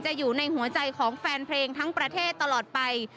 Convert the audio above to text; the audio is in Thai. อยู่ในหัวใจของแฟนเพลงทั้งประเทศตลอดไป